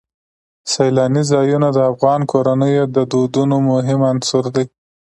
سیلانی ځایونه د افغان کورنیو د دودونو مهم عنصر دی.